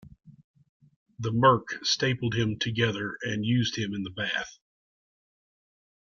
The merc stapled him together and used him in the bath.